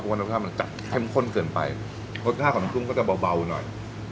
เพราะว่ารสชาติมันจะเข้มข้นเกินไปรสชาติของน้ำกุ้งก็จะเบาหน่อย